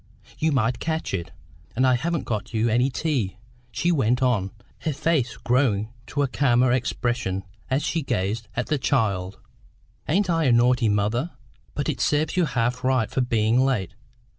You might catch it. And I haven't got you any tea," she went on, her face growing to a calmer expression as she gazed at the child "Ain't I a naughty mother? But it serves you half right for being late.